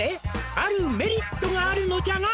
「あるメリットがあるのじゃが」